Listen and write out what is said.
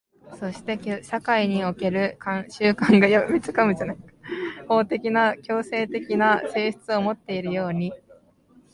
そして社会における慣習が法的な強制的な性質をもっているように、